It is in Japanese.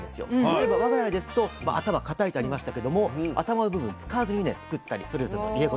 例えば我が家ですと頭かたいとありましたけども頭の部分使わずにね作ったりするんですよ。